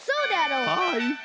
はい。